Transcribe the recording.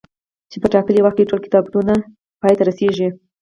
چي په ټاکلي وخت کي ټول کتابونه پاي ته رسيږي